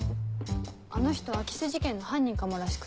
あの人空き巣事件の犯人かもらしくて。